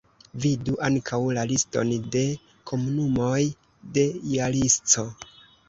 Vidu ankaŭ la liston de komunumoj de Jalisco.